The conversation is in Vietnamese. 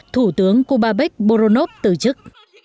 thủ tướng kubabek boronov từ chức